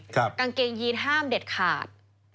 กางเกงยีนห้ามเด็ดขาด